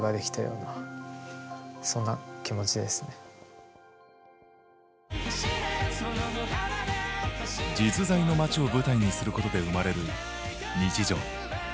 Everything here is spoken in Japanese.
Ｅｖｅ作品にとって実在の街を舞台にすることで生まれる日常。